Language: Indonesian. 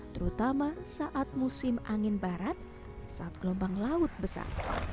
terutama saat musim angin barat saat gelombang laut besar